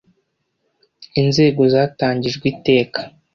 inzego zatangijwe iteka